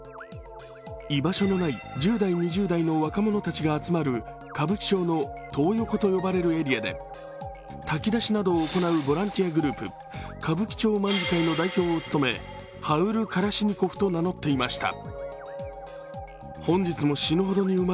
居場所のない１０代、２０代の若者たちが集まる歌舞伎町のトー横と呼ばれるエリアで、炊き出しなどを行うボランティアグループ、歌舞伎町卍会の代表を務めハウル・カラシニコフと名乗っていました。